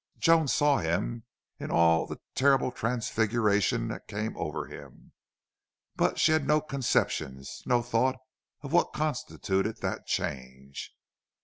Joan saw him, in all the terrible transfiguration that came over him, but she had no conceptions, no thought of what constituted that change.